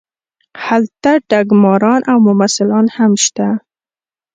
هلته ټګماران او ممثلان هم شته.